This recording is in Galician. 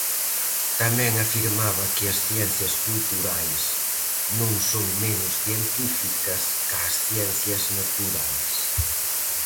Tamén afirmaba que as ciencias culturais non son menos científicas ca as ciencias naturais.